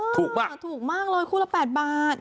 ถูกมากถูกมากเลยคู่ละ๘บาท